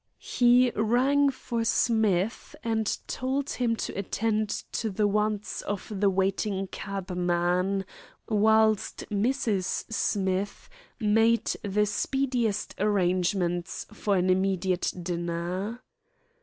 He rang for Smith, and told him to attend to the wants of the waiting cabman, whilst Mrs. Smith made the speediest arrangements for an immediate dinner.